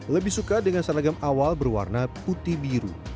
lebih suka dengan seragam awal berwarna putih biru